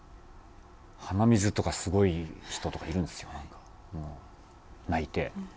鼻水とかすごい人とかいるんですよ泣いて。